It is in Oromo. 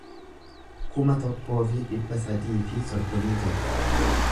kuma tokkoo fi dhibba sadii fi soddomii torba